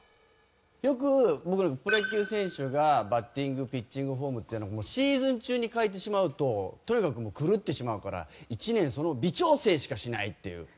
よく僕らもプロ野球選手がバッティングピッチングフォームっていうのをシーズン中に変えてしまうととにかくもう狂ってしまうから１年その微調整しかしないっていう。